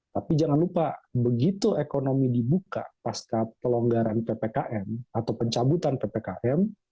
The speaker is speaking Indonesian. tapi jangan lupa begitu ekonomi dibuka pasca pelonggaran ppkm atau pencabutan ppkm